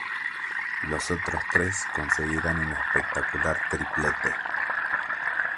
Los otros tres conseguirían un espectacular triplete.